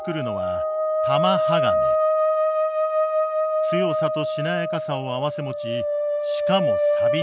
強さとしなやかさを併せ持ちしかも錆びにくい。